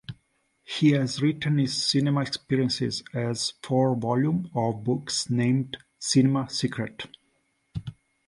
He has written his cinema experiences as four volume of books named "Cinema secret".